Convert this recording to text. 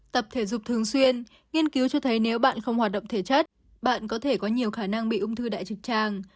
tập thể dục thường xuyên nghiên cứu cho thấy nếu bạn không hoạt động thể chất bạn có thể có nhiều khả năng bị ung thư đại trực tràng